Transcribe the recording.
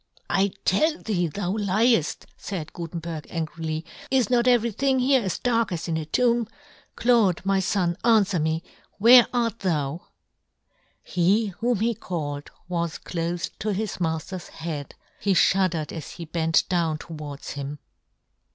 " I tell thee thou lieft," faid Gu tenberg angrily, " is not everything " here as dark as in a tomb ? Claude, " my fon, anfwer me — where art " thou .?" He whom he called was clofe to his mafter's head, he fhuddered as he bent down towards him.